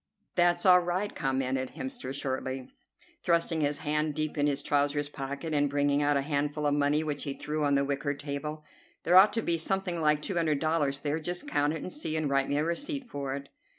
"That's all right," commented Hemster shortly, thrusting his hand deep in his trousers pocket, and bringing out a handful of money which he threw on the wicker table. "There ought to be something like two hundred dollars there. Just count it and see, and write me a receipt for it."